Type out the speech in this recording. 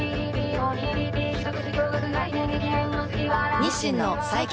日清の最強